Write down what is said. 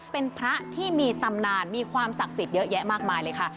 เป็นพระที่มีตำนานมีความศักดิ์สิทธิ์เยอะแยะมากมายเลยค่ะ